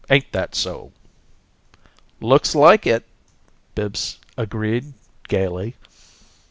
Ain't that so?" "Looks like it!" Bibbs agreed, gaily.